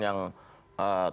yang diperdebatkan apa